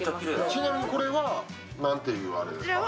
ちなみにこれはなんていうあれですか？